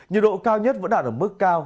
nhiệt độ cao nhất vẫn đạt ở mức cao